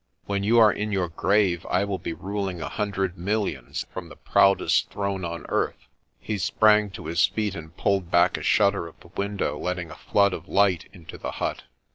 When you are in your grave, I will be ruling a hundred millions from the proudest throne on earth." He sprang to his feet and pulled back a shutter of the window, letting a flood of light into the hut.